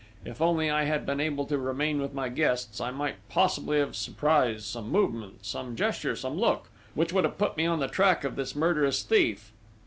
If only I had been able to remain with my guests, I might possibly have surprised some movement, some gesture, some look, which would have put me on the track of this murderous thief